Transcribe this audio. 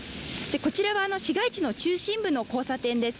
こちらは市街地の中心部の交差点です。